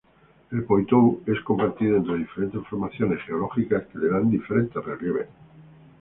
El Poitou es compartido entre diferentes formaciones geológicas que le dan diferentes relieves.